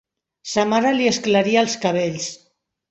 Sa mare li esclaria els cabells.